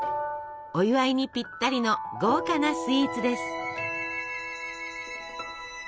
お祝いにぴったりの豪華なスイーツです。